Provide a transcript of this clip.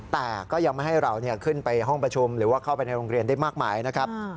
แต่ก็ยังไม่ให้เราขึ้นไปห้องประชุมหรือว่าเข้าไปในโรงเรียนได้มากมายนะครับ